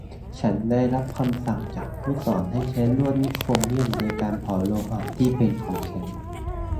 ฉันได้รับคำสั่งจากผู้สอนให้ใช้ลวดนิกโครเมี่ยมในการเผาโลหะที่เป็นของแข็ง